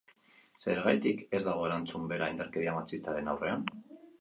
Zergatik ez dago erantzun bera indarkeria matxistaren aurrean?